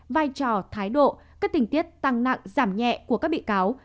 vai trò thái độ các tình tiết tăng nặng giảm nhẹ của các bị cáo